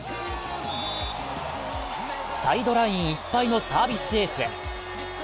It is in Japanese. サイドラインいっぱいのサービスエース。